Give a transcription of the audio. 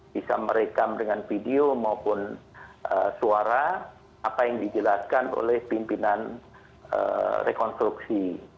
bisa merekam dengan video maupun suara apa yang dijelaskan oleh pimpinan rekonstruksi